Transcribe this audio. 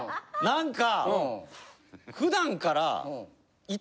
何か。